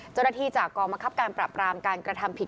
เจ้าหน้าที่จากกองบังคับการปรับรามการกระทำผิด